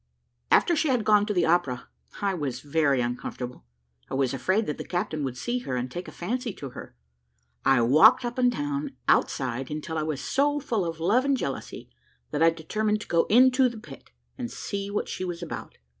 After she had gone to the opera, I was very uncomfortable: I was afraid that the captain would see her, and take a fancy to her. I walked up and down, outside, until I was so full of love and jealousy, that I determined to go into the pit, and see what she was about.